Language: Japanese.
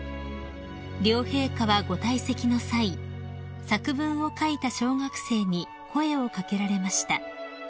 ［両陛下はご退席の際作文を書いた小学生に声を掛けられました］